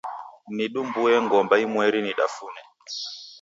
Nidumbue ngomba imweri nidafune.